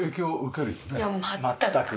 全く。